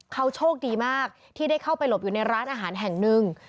เขาโชคดีมากที่ได้เข้าไปหลบอยู่ในร้านอาหารแห่งหนึ่ง